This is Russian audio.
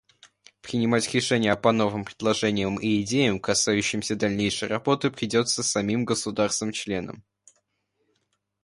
Принимать решения по новым предложениям и идеям, касающимся дальнейшей работы, придется самим государствам-членам.